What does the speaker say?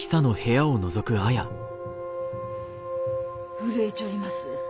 震えちょります。